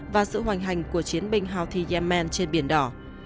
và sự hoành hành của chiến binh houthi yemen trên biển đỏ